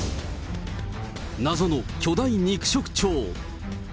謎の巨大肉食鳥。